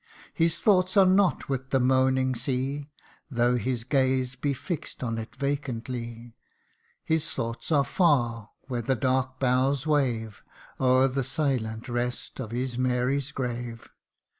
His thoughts are not with the moaning sea, Though his gaze be fix'd on it vacantly : His thoughts are far, where the dark boughs wave O'er the silent rest of his Mary's grave.